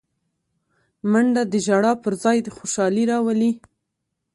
منډه د ژړا پر ځای خوشالي راولي